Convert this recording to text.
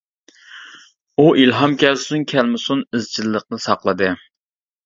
ئۇ ئىلھام كەلسۇن، كەلمىسۇن ئىزچىللىقنى ساقلىدى.